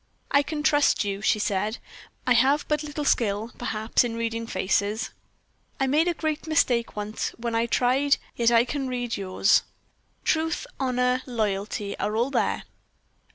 "I can trust you," she said. "I have but little skill, perhaps, in reading faces. I made a great mistake once when I tried, yet I can read yours. Truth, honor, loyalty, are all there.